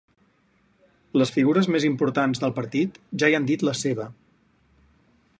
Les figures més importants del partit ja hi han dit la seva.